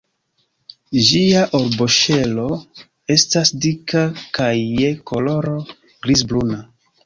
Ĝia arboŝelo estas dika kaj je koloro griz-bruna.